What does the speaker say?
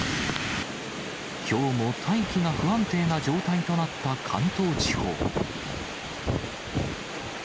きょうも大気が不安定な状態となった関東地方。